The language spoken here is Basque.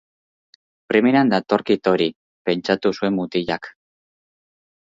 Primeran datorkit hori, pentsatu zuen mutilak.